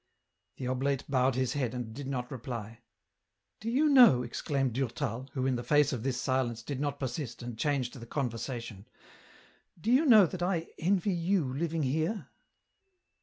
The oblate bowed his head and did not reply. " Do you know," exclaimed Durtal, who in the face oi this silence did not persist and changed the conversation, *' do you know that I envy you living here